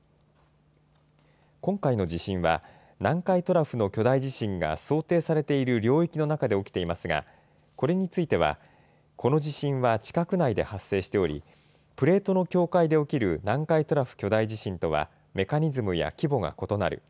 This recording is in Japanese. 今回の地震は、南海トラフの巨大地震が想定されている領域の中で起きていますが、これについては、この地震は地殻内で発生しており、プレートの境界で起きる南海トラフ巨大地震とはメカニズムや規模が異なる。